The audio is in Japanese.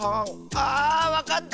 あわかった！